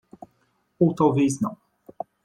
Ou talvez não?